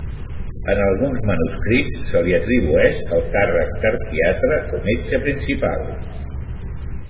En alguns manuscrits se li atribueix el càrrec d'arquiatre, o metge principal.